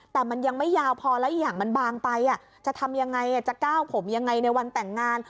แต่มันยังไม่ยาวพอแล้วอีกอย่างมันบางไปจะทำยังไงจะก้าวผมยังไงในวันแต่งงาน